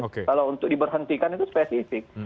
kalau untuk diberhentikan itu spesifik